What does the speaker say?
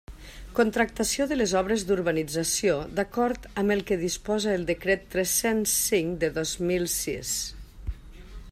Contractació de les obres d'urbanització d'acord amb el que disposa el Decret tres-cents cinc de dos mil sis.